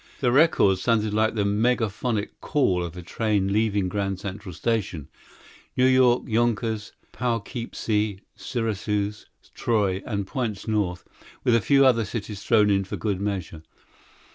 The record sounded like the megaphonic call of a train leaving Grand Central Station New York, Yonkers, Poughkeepsie, Syracuse, Troy, and points north, with a few other cities thrown in for good measure.